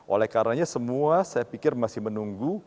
oleh karenanya semua saya pikir masih menunggu